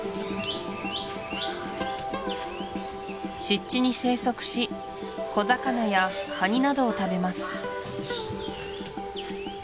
湿地に生息し小魚やカニなどを食べます